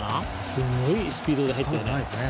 すごいスピードで入ったね。